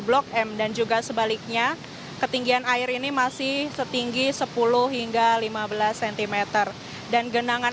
blok m dan juga sebaliknya ketinggian air ini masih setinggi sepuluh hingga lima belas cm dan genangan